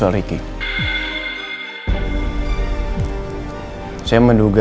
jangan sampai mok rausah pakai dayanya